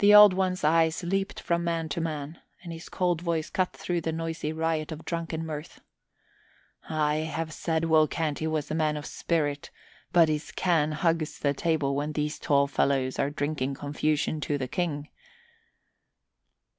The Old One's eyes leaped from man to man and his cold voice cut through the noisy riot of drunken mirth. "I had said Will Canty was a man of spirit, but his can hugs the table when these tall fellows are drinking confusion to the King."